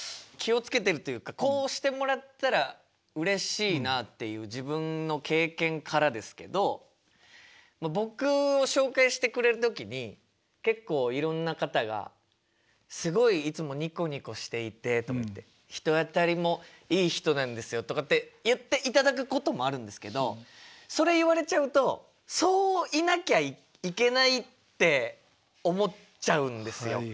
気をつけてるっていうかこうしてもらったらうれしいなっていう自分の経験からですけど僕を紹介してくれる時に結構いろんな方が「すごいいつもにこにこしていて」とかって「人当たりもいい人なんですよ」とかって言っていただくこともあるんですけどそれ言われちゃうとそういなきゃいけないって思っちゃうんですよ。